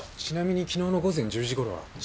ちなみに昨日の午前１０時ごろは？